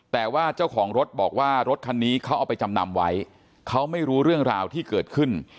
แต่ว่าเจ้าของรถบอกว่ารถคันนี้เขาเอาไปจำนำไว้เขาไม่รู้เรื่องราวที่เกิดขึ้น